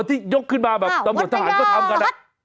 ที่ยกขึ้นมาแบบตำรวจทหารก็ทำกัน